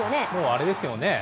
あれですよね。